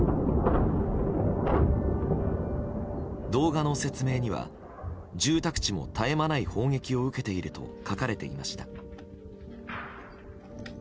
動画の説明には住宅地も絶え間ない砲撃を受けていると書かれていました。